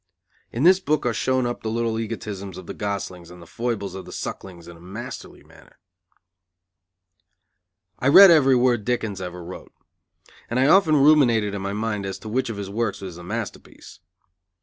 In this book are shown up the little egotisms of the goslings and the foibles of the sucklings in a masterly manner. I read every word Dickens ever wrote; and I often ruminated in my mind as to which of his works is the masterpiece.